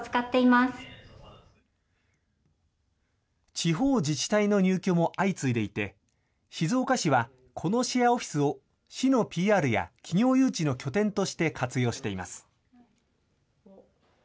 地方自治体の入居も相次いでいて、静岡市はこのシェアオフィスを市のＰＲや、企業誘致の拠点として活用しています。